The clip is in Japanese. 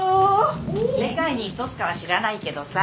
世界に一つかは知らないけどさ。